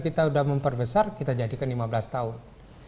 kita sudah memperbesar kita jadikan lima belas tahun